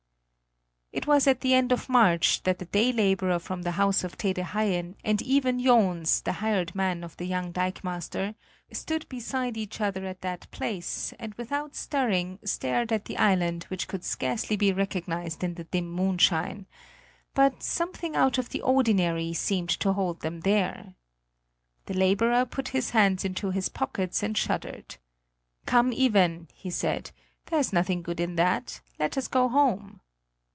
It was at the end of March that the day laborer from the house of Tede Haien and Iven Johns, the hired man of the young dikemaster, stood beside each other at that place and without stirring stared at the island which could scarcely be recognised in the dim moonshine; but something out of the ordinary seemed to hold them there. The laborer put his hands into his pockets and shuddered: "Come, Iven," he said; "there's nothing good in that; let us go home."